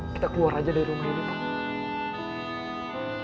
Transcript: kita keluar aja dari rumah ini pak